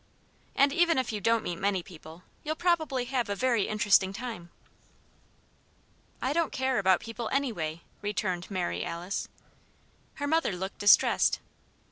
And even if you don't meet many people, you'll probably have a very interesting time." "I don't care about people, anyway," returned Mary Alice. Her mother looked distressed.